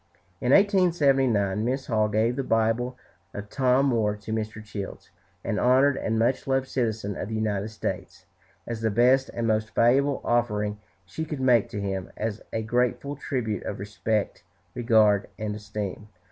In 1879 Mrs. Hall gave the Bible of Tom Moore to Mr. Childs, "an honored and much loved citizen of the United States, as the best and most valuable offering she could make to him, as a grateful tribute of respect, regard, and esteem."